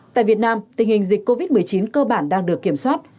tại việt nam tình hình dịch covid một mươi chín cơ bản đang được kiểm soát